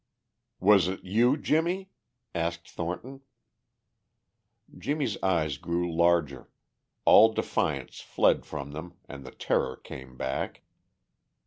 "Was it you, Jimmie?" asked Thornton. Jimmie's eyes grew larger; all defiance fled from them and the terror came back.